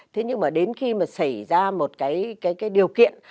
thế nhưng mà đến khi mà xảy ra một cái điều kiện